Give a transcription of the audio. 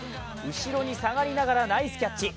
後ろに下がりながらナイスキャッチ。